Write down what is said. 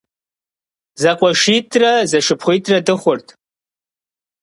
ЗэкъуэшитӀрэ зэшыпхъуитӀрэ дыхъурт.